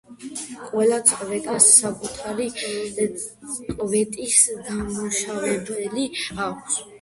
ყველა წყვეტას საკუთარი წყვეტის დამმუშავებელი აქვს.